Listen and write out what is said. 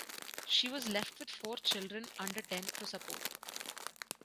She was left with four children under ten to support.